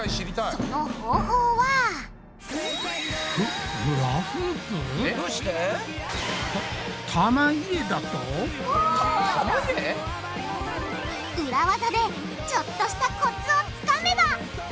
その方法は裏ワザでちょっとしたコツをつかめば！